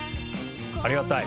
ありがたい。